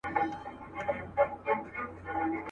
د چینار سر ته یې ورسیږي غاړه.